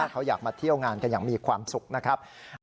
เขาอยากมาเที่ยวงานกันอย่างมีความสุขนะครับ